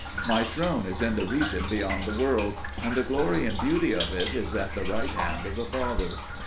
"My throne is in the region beyond the world, and the glory and beauty of it is at the right hand of the Father.